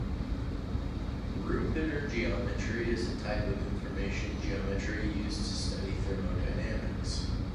Ruppeiner geometry is a type of information geometry used to study thermodynamics.